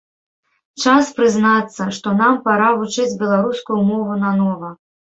Час прызнацца, што нам пара вучыць беларускую мову нанова!